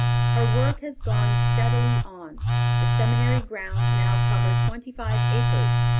Her work has gone steadily on. The seminary grounds now cover twenty five acres.